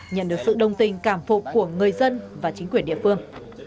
nhận được sự đồng tình cảm phục của người dân và chính quyền địa phương